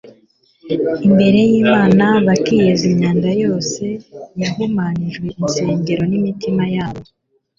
imbere y'imana, bakiyeza imyanda yose yahumanyije insengero z'imitima yabo